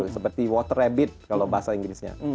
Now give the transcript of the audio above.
seperti water rabbit kalau bahasa inggrisnya